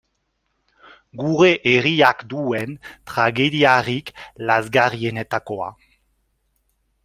Gure herriak duen tragediarik lazgarrienetakoa.